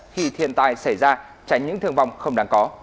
khi thiên tai xảy ra tránh những thương vong không đáng có